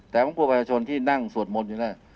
แต่มีประชาชนที่นั่งส่วนมนตร์อยู่หน้า